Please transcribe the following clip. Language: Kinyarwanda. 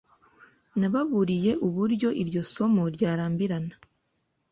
Nababuriye uburyo iryo somo ryarambirana.